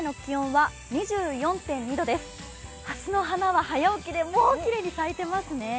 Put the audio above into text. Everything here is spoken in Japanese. はすの花は早起きで、もうきれいに咲いていますね。